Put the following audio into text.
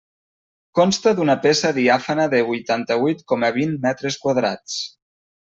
Consta d'una peça diàfana de huitanta-huit coma vint metres quadrats.